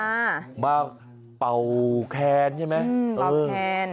มาเป่าแค้นใช่ไหมอืมเป่าแค้น